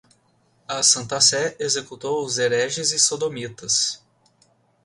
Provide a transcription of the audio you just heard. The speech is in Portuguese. A Santa Sé executou os hereges e sodomitas